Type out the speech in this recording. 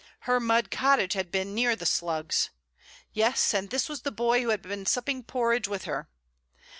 Her mud cottage had been near the Slugs. Yes, and this was the boy who had been supping porridge with her.